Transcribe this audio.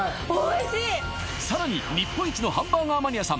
さらに日本一のハンバーガーマニアさん